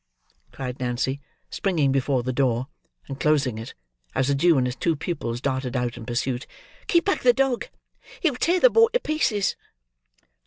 cried Nancy, springing before the door, and closing it, as the Jew and his two pupils darted out in pursuit. "Keep back the dog; he'll tear the boy to pieces."